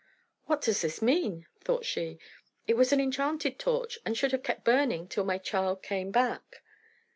"What does this mean?" thought she. "It was an enchanted torch, and should have kept burning till my child came back."